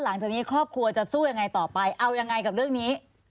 หลังจากนี้ครอบครัวจะสู้ยังไงต่อไปเอายังไงกับเรื่องนี้